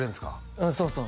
うんそうそう